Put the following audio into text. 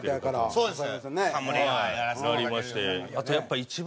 そうですね。